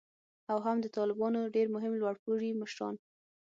او هم د طالبانو ډیر مهم لوړ پوړي مشران